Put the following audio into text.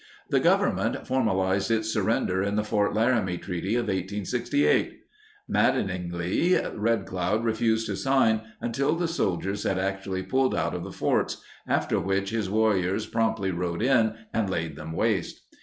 The Government formalized its surrender in the Fort Laramie Treaty of 1868. Maddeningly, Red Cloud refused to sign until the soldiers had actually pulled out of the forts, after which his warriors promptly rode in and laid them waste.